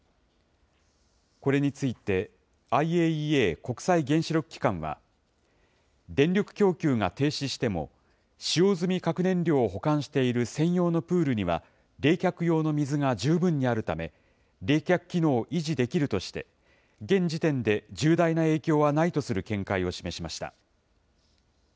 これについて、ＩＡＥＡ・国際原子力機関は、電力供給が停止しても使用済み核燃料を保管している専用のプールには、冷却用の水が十分にあるため、冷却機能を維持できるとして、現時点で重大な影響はないとする見解を示しました。